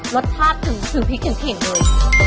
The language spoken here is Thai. พรรชาติถึงปริ๊กกันถึงด้วย